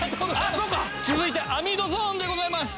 続いて網戸ゾーンでございます。